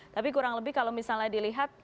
tapi kurang lebih kalau misalnya dilihat